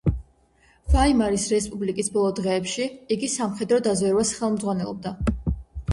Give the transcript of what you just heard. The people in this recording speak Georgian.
ვაიმარის რესპუბლიკის ბოლო დღეებში იგი სამხედრო დაზვერვას ხელმძღვანელობდა.